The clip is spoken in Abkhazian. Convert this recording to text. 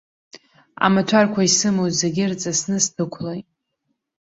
Амаҭәарқәа исымоу зегьы рҵысны сдәықәлоит.